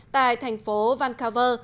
tại thành phố vancouver